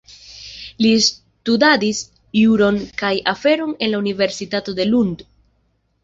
Li studadis juron kaj aferon en la universitato de Lund.